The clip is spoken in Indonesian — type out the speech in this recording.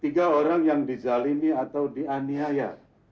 tiga orang yang di zalimi atau dianiaya